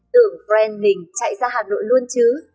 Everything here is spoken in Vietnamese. tưởng friend mình chạy ra hà nội luôn chứ